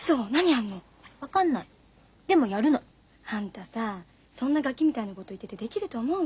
あんたさそんなガキみたいなこと言っててできると思う？